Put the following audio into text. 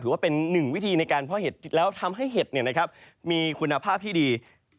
ว่าเป็นหนึ่งวิธีในการเพาะเห็ดแล้วทำให้เห็ดมีคุณภาพที่ดี